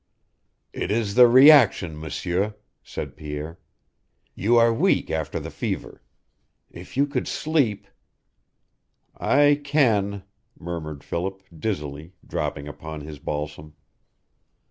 "It is the reaction, M'sieur," said Pierre. "You are weak after the fever. If you could sleep " "I can," murmured Philip, dizzily, dropping upon his balsam.